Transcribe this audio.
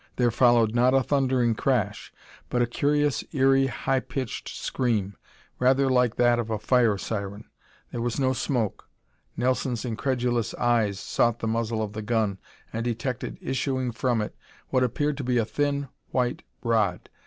There followed not a thundering crash, but a curious, eery, high pitched scream, rather like that of a fire siren. There was no smoke! Nelson's incredulous eyes sought the muzzle of the gun and detected issuing from it what appeared to be a thin, white rod.